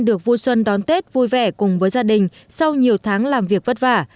được vui xuân đón tết vui vẻ cùng với gia đình sau nhiều tháng làm việc vất vả